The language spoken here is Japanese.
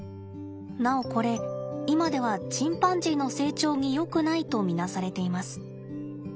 なおこれ今ではチンパンジーの成長によくないと見なされています。